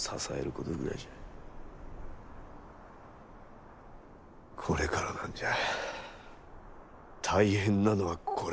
これからなんじゃ大変なのはこれからなんじゃ。